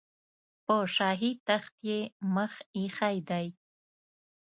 په شاهي تخت یې مخ ایښی دی.